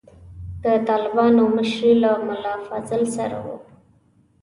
د طالبانو مشري له ملا فاضل سره وه.